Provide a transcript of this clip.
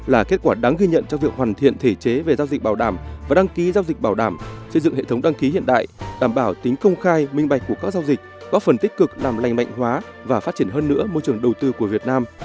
là kết quả đáng ghi nhận cho việc hoàn thiện thể chế về giao dịch bảo đảm và đăng ký giao dịch bảo đảm xây dựng hệ thống đăng ký hiện đại đảm bảo tính công khai minh bạch của các giao dịch góp phần tích cực làm lành mạnh hóa và phát triển hơn nữa môi trường đầu tư của việt nam